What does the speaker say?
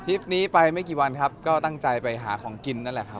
คลิปนี้ไปไม่กี่วันครับก็ตั้งใจไปหาของกินนั่นแหละครับ